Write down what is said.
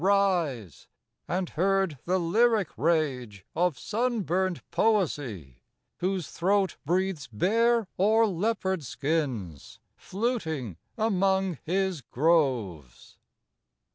rise; and heard the lyric rage Of sunburnt Poesy, whose throat breathes bare O'er leopard skins, fluting among his groves.